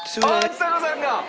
ちさ子さんが。